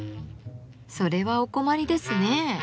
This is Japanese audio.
それはお困りですね。